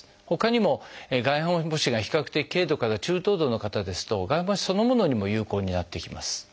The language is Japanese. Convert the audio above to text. ほかにも外反母趾が比較的軽度から中等度の方ですと外反母趾そのものにも有効になってきます。